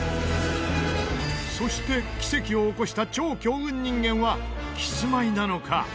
そして奇跡を起こした超強運人間はキスマイなのか？